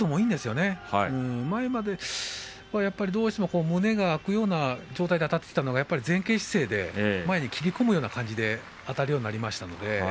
前までどうしても胸があくような状態であたってきたのが前傾姿勢で前に切り込むような形であたるようになりました。